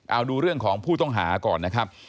เอาดูเรื่องของผู้ต้องหาก่อนนะครับ